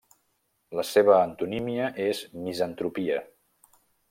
La seva antonímia és misantropia.